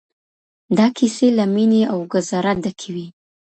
دا کيسې له ميني او ګدازه ډکې وې.